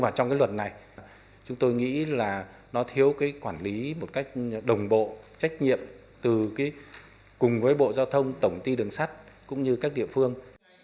và trong cái luật này chúng tôi nghĩ là nó thiếu cái quản lý một cách đồng bộ trách nhiệm cùng với bộ giao thông tổng ti đường sắt cũng như các địa phương